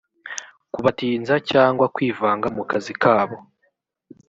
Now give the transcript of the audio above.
kubatinza cyangwa kwivanga mu kazi kabo